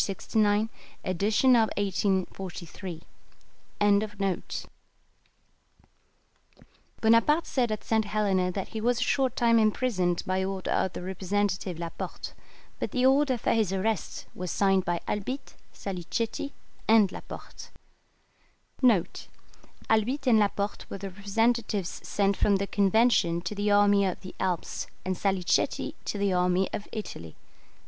69, edit. 1843).] Bonaparte said at St. Helena that he was a short time imprisoned by order of the representative Laporte; but the order for his arrest was signed by Albitte, Salicetti, and Laporte. [Albitte and Laporte were the representatives sent from the Convention to the army of the Alps, and Salicetti to the army of Italy.